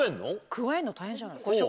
くわえるの大変じゃない？